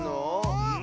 うん。